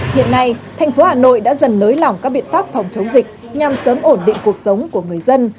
hiện nay thành phố hà nội đã dần nới lỏng các biện pháp phòng chống dịch nhằm sớm ổn định cuộc sống của người dân